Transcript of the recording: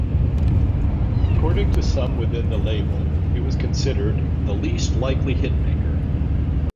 According to some within the label, he was considered "the least likely hit maker".